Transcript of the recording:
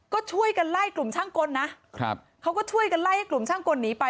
ก็ช่วยกันไล่กลุ่มช่างกลนะครับเขาก็ช่วยกันไล่ให้กลุ่มช่างกลหนีไป